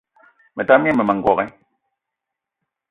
Me tam gne mmema n'gogué